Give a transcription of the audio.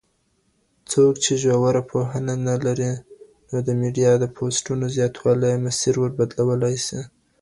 څوک چي ژوره پوهه نلري، نو دميډيا دپوسټونو زياتوالی ئې مسير وربدلولای سي.